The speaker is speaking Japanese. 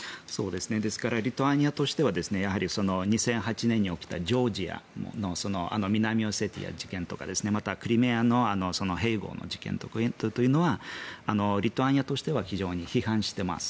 ですからリトアニアとしては２００８年に起きたジョージアのあの南オセチアの事件とかまたクリミアの併合の事件というのはリトアニアとしては非常に批判しています。